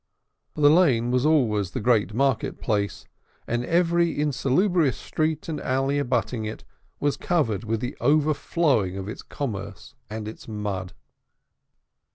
The Lane was always the great market place, and every insalubrious street and alley abutting on it was covered with the overflowings of its commerce and its mud.